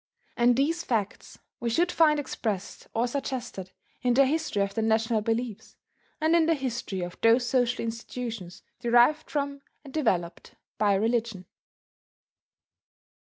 And these facts we should find expressed or suggested in the history of the national beliefs, and in the history of those social institutions derived from and developed by religion.